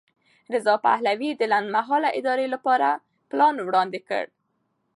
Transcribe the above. رضا پهلوي د لنډمهالې ادارې لپاره پلان وړاندې کړ.